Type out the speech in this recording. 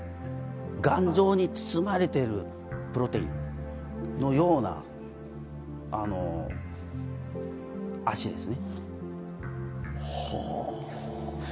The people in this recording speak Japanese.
頑丈に包まれてる、プロテインのような、足ですね。